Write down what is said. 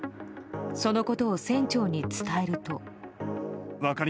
そのことを船長に伝えると。